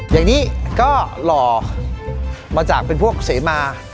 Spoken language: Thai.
อย่างนี้ก็หล่อมาจากเป็นพวกเสมา